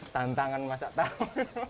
tantangan masak tahu